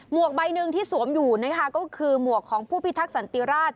วกใบหนึ่งที่สวมอยู่นะคะก็คือหมวกของผู้พิทักษันติราช